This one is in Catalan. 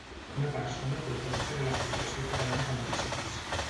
Una persona a proposta de l'Associació Catalana de Municipis.